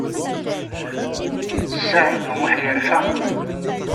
Saɛid U Muḥ yerfa.